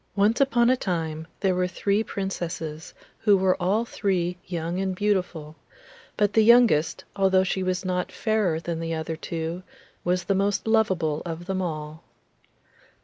Once upon a time there were three Princesses who were all three young and beautiful; but the youngest, although she was not fairer than the other two, was the most loveable of them all.